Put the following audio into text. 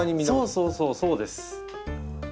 そうそうそうそうです。